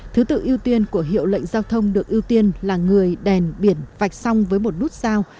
thứ tự ưu tiên của hiệu lệnh giao thông được ưu tiên là người đèn biển vạch song với một nút sao